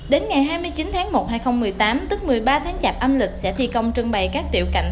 đến ngày hai mươi chín tháng một hai nghìn một mươi tám tức một mươi ba tháng chạp âm lịch sẽ thi công trưng bày các tiểu cảnh